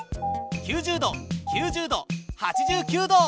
９０度９０度８９度。